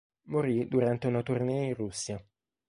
Morì durante una tournée in Russia.